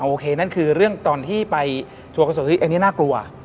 โอเคนั่นคือตอนที่ไปทัวร์คอนเสิร์ตอันนี้น่ากลัว